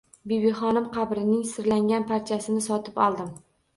Bibixonim qabrining sirlangan parchasini sotib oldim